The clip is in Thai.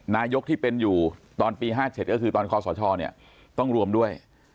นายกที่เป็นอยู่ตอนปี๕เสร็จคือตอนข้อสอช่อเนี่ยต้องรวมด้วย